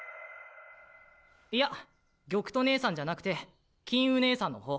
いや玉兎姉さんじゃなくて金烏姉さんの方。